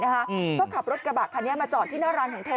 ก็ขับรถกระบะคันนี้มาจอดที่หน้าร้านของเธอ